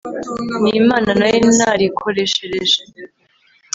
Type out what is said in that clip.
n'imana nari narikoreshereje